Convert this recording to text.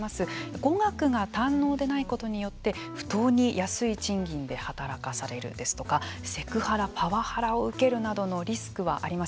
語学が堪能でないことによって不当に安い賃金で働かされるですとかセクハラ、パワハラを受けるリスクはあります。